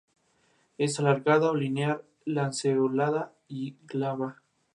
Es alargada o linear-lanceolada y glabra.